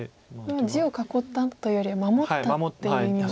もう地を囲ったというよりは守ったという意味も。